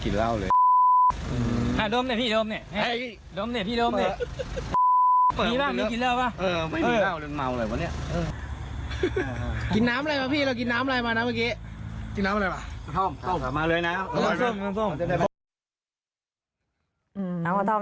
น้องกระท่อม